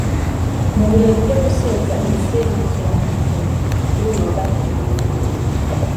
Mu birori byo gusoza iri serukiramuco kuri uyu wa Gatanu